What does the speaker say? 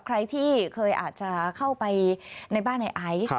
ใครที่เคยอาจจะเข้าไปในบ้านในไอซ์